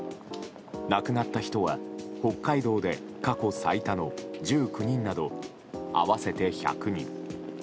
亡くなった人は北海道で過去最多の１９人など合わせて１００人。